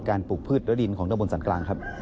ปลูกพืชและดินของตะบนสรรกลางครับ